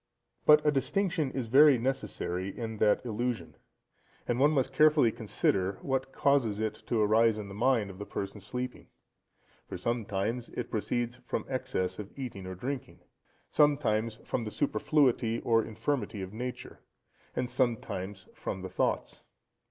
But a distinction is very necessary in that illusion, and one must carefully consider what causes it to arise in the mind of the person sleeping; for sometimes it proceeds from excess of eating or drinking; sometimes from the superfluity or infirmity of nature, and sometimes from the thoughts.